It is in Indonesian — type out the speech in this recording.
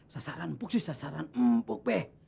sasaran empuk sih sasaran empuk be